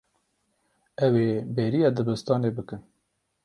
Ew ê bêriya dibistanê bikin.